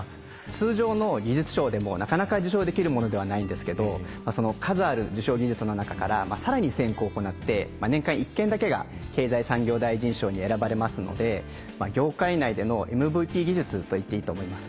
通常の技術賞でもなかなか受賞できるものでないんですがその数ある受賞技術の中からさらに選考を行って年間１件だけが経済産業大臣賞に選ばれますので業界内でのＭＶＰ技術と言っていいと思います。